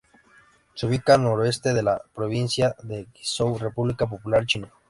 Se ubica al noroeste de la provincia de Guizhou, República Popular China.